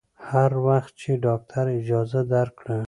هر وخت چې ډاکتر اجازه درکړه.